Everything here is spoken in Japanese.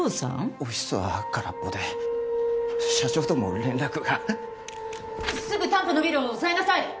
オフィスは空っぽで社長とも連絡がすぐ担保のビルをおさえなさい！